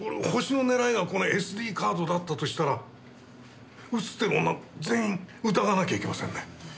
ホシの狙いがこのＳＤカードだったとしたら写ってる女全員疑わなきゃいけませんね。